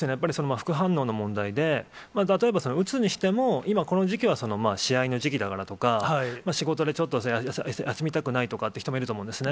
副反応の問題で、例えば、打つにしても、今この時期は試合の時期だからとか、仕事でちょっと休みたくないとかって人もいると思うんですね。